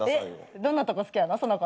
どんなとこ好きなの？